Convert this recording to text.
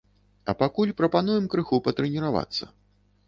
А пакуль прапануем крыху патрэніравацца.